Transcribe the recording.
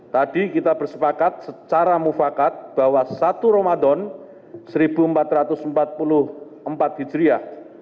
tadi kita bersepakat secara mufakat bahwa satu ramadan seribu empat ratus empat puluh empat hijriah